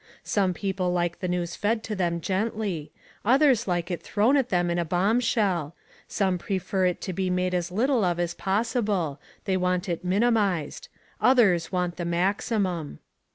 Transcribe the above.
Some people like the news fed to them gently: others like it thrown at them in a bombshell: some prefer it to be made as little of as possible; they want it minimised: others want the maximum.